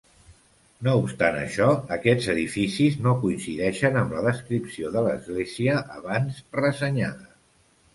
No obstant això, aquests edificis no coincideixen amb la descripció de l'església abans ressenyada.